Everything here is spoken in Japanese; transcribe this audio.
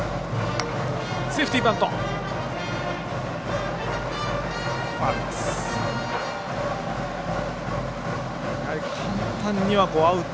セーフティーバント。